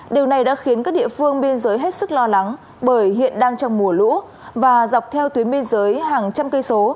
điều này đã khiến các địa phương biên giới hết sức lo lắng bởi hiện đang trong mùa lũ và dọc theo tuyến biên giới hàng trăm cây số